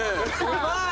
うまい！